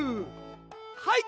はい！